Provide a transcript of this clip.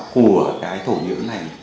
của cái thổ nhưỡng này